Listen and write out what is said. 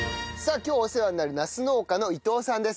今日お世話になるナス農家の伊藤さんです。